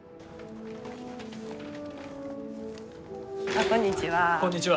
あっこんにちは。